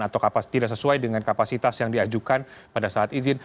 atau tidak sesuai dengan kapasitas yang diajukan pada saat izin